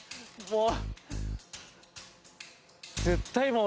［もう］